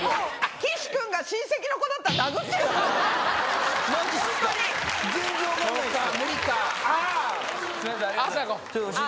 岸君が親戚の子だったら、殴ってるよ、マジで。